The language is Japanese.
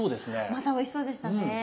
またおいしそうでしたね。